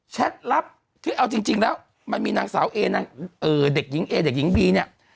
แชทลับคือเอาจริงจริงแล้วมันมีนางสาวเอนะเออเด็กหญิงเอเด็กหญิงบีเนี้ย